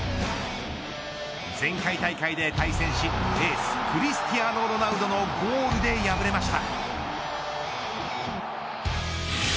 前回大会で対戦しエース、クリスティアーノ・ロナウドのゴールで敗れました。